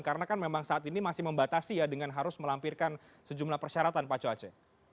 karena kan memang saat ini masih membatasi ya dengan harus melampirkan sejumlah persyaratan pak coace